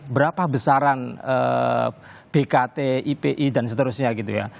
berapa besaran bkt ipi dan seterusnya gitu ya